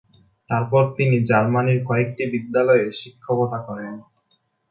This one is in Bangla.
তারপর তিনি জার্মানীর কয়েকটি বিদ্যালয়ে শিক্ষকতা করেন।